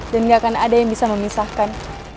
dan gak akan ada yang bisa memisahkan